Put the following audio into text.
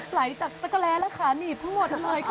ไหลจากจักรแร้และขาหนีบทั้งหมดเลยค่ะ